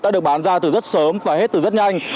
đã được bán ra từ rất sớm và hết từ rất nhanh